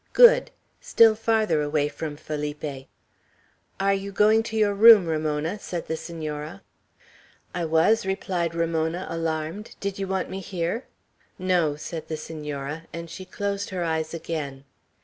Good! Still farther away from Felipe. "Are you going to your room, Ramona?" said the Senor. "I was," replied Ramona, alarmed. "Did you want me here?" "No," said the Senora; and she closed her eyes again.